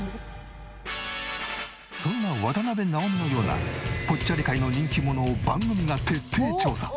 そんな渡辺直美のようなぽっちゃり界の人気者を番組が徹底調査！